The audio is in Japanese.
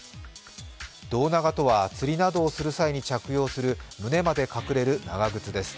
胴長とは、釣りなどをする際に着用する胸まで隠れる長靴です。